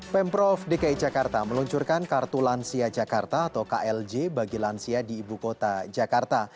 pemprov dki jakarta meluncurkan kartu lansia jakarta atau klj bagi lansia di ibu kota jakarta